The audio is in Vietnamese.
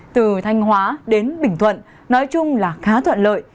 từ thanh hóa đến bình thuận nói chung là khá thuận lợi